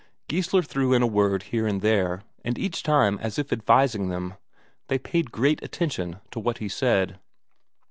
Geissler threw in a word here and there, and each time as if advising them; they paid great attention to what he said.